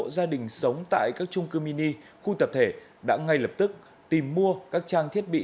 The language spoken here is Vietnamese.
gia đình sống tại các trung cư mini khu tập thể đã ngay lập tức tìm mua các trang thiết bị